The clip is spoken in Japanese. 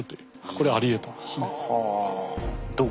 これありえたんですね。